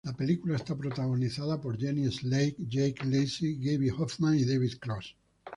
La película es protagonizada por Jenny Slate, Jake Lacy, Gaby Hoffmann y David Cross.